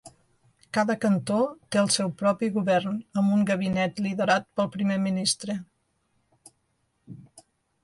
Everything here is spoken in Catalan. Cada cantó té el seu propi govern amb un gabinet liderat pel primer ministre.